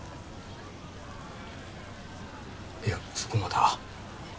いやそこまでは。